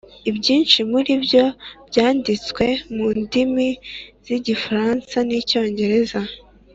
ibyinshi muri byo byanditse mu ndimi z’igifaransa n’icyongereza